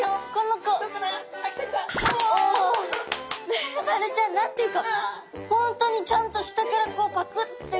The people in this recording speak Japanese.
メバルちゃん何て言うか本当にちゃんと下からパクッて。